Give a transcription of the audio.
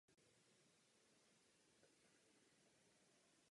Na jejím úpatí pak při břehu jezera stojí Zemědělská škola Ejn Kerem.